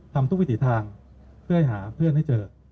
ทำทุกวิถีทางเพื่อให้หาเพื่อนให้เจอ